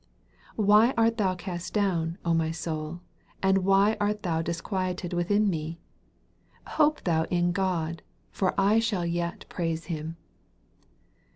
"Why art thou cat down, rny soul, and why art thou disquieted within me t Hope tliou in God, for I shall yet praise him."